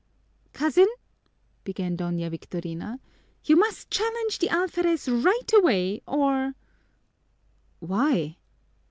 "Cousin," began Doña Victorina, "you must challenge the alferez right away, or " "Why?"